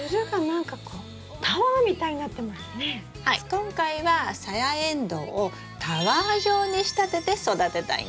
今回はサヤエンドウをタワー状に仕立てて育てたいんです。